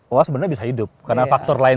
oh sebenarnya bisa hidup karena faktor lain